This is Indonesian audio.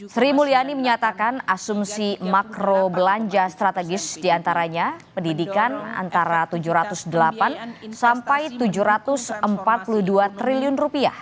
sri mulyani menyatakan asumsi makro belanja strategis diantaranya pendidikan antara rp tujuh ratus delapan sampai rp tujuh ratus empat puluh dua triliun